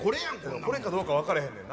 これかどうか分からへんねんな。